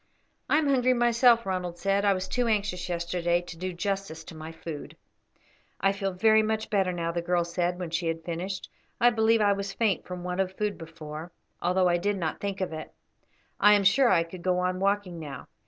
"I am hungry myself," Ronald said "I was too anxious yesterday to do justice to my food." "I feel very much better now," the girl said when she had finished. "I believe I was faint from want of food before, although I did not think of it. I am sure I could go on walking now.